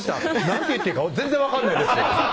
何て言っていいか全然分かんないです